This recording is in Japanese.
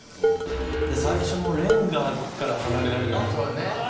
最初のレンガから離れられなくて。